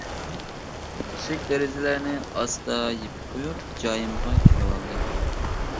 ئىشىك-دېرىزىلەرنى ئاستا يېپىپ قويۇپ جايىمغا كېلىۋالدىم.